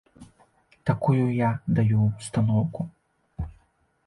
Такую я даю ўстаноўку.